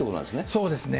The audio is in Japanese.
そうですね。